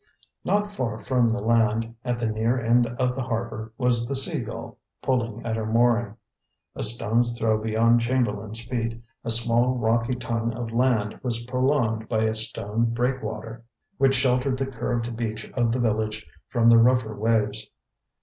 Not far from the land, at the near end of the harbor, was the Sea Gull, pulling at her mooring. A stone's throw beyond Chamberlain's feet, a small rocky tongue of land was prolonged by a stone breakwater, which sheltered the curved beach of the village from the rougher waves.